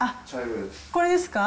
これですか？